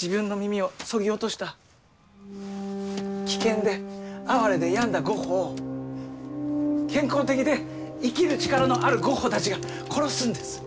自分の耳をそぎ落とした危険で哀れで病んだゴッホを健康的で生きる力のあるゴッホたちが殺すんです。